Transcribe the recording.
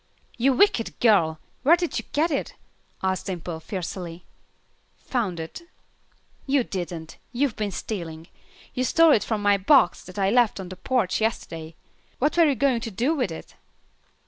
"You wicked girl! where did you get it?" asked Dimple, fiercely. "Found it." "You didn't. You've been stealing. You stole it from my box that I left on the porch yesterday. What were you going to do with it?"